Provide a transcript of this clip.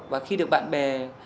và khi được bạn bè